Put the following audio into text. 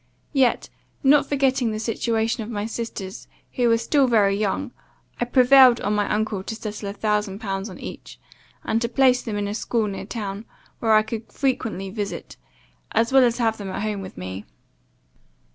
Yet, not forgetting the situation of my sisters, who were still very young, I prevailed on my uncle to settle a thousand pounds on each; and to place them in a school near town, where I could frequently visit, as well as have them at home with me.